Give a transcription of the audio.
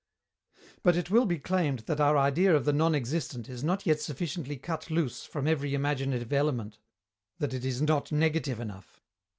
But it will be claimed that our idea of the non existent is not yet sufficiently cut loose from every imaginative element, that it is not negative enough.